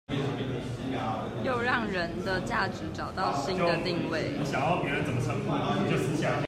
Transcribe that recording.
又讓人的價值找到新的定位